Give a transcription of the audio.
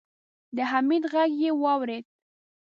د حميد غږ يې واورېد.